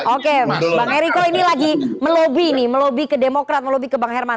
oke bang eriko ini lagi melobi nih melobi ke demokrat melobby ke bang herman